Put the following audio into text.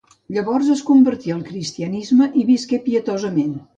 Llavors, es convertí al cristianisme i visqué pietosament.